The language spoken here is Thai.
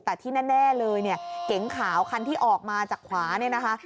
แต่ที่แน่เลยเนี่ยเก๋งขาวคันที่ออกมาจากขวาเนี่ยนะคะ